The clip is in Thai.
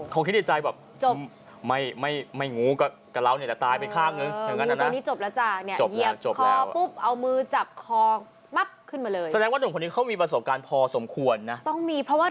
เขาคิดใจใจแบบไม่งูกับเราแต่ตายไปข้างนึง